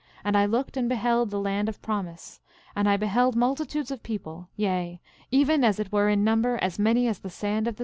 And I looked and beheld the land of promise; and I beheld multitudes of people, yea, even as it were in number as many as the sand of the sea.